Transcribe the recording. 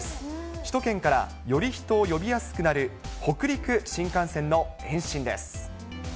首都圏からより人を呼びやすくなる、北陸新幹線の延伸です。